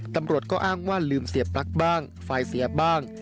ตำรวจก็อ้างว่าลืมเสียปลั๊กบ้างไฟเสียบ้าง